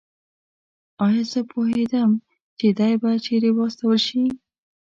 ایا زه پوهېدم چې دی به چېرې واستول شي؟